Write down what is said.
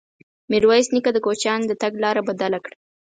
ميرويس نيکه د کوچيانو د تګ لاره بدله کړه.